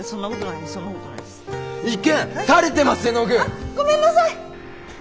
あっごめんなさい！